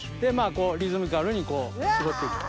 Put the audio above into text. リズミカルにこうしぼって行く。